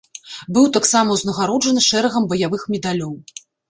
Быў таксама узнагароджаны шэрагам баявых медалёў.